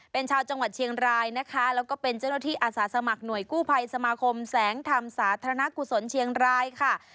เป็นชาวจังหวัดเชียงรายนะคะแล้วก็เป็นเจ้าหน้าที่อาสาสมัครหน่วยกู้ภัยสมาคมแสงธรรมสาธารณกุศลเชียงรายค่ะ